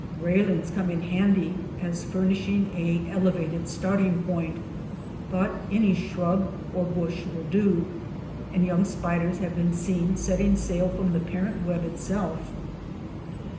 Railings come in handy as furnishing an elevated starting point, but any shrub or bush will do, and young spiders have been seen setting sail from the parent web itself.